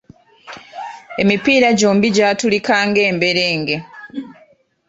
Emipiira gyombi gyatulika ng’emberenge.